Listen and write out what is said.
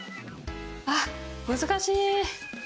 あっ難しい。